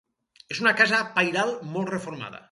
És una casa pairal molt reformada.